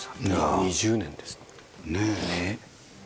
２０年ですって。